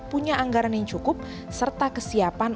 punya anggaran yang cukup serta kesiapan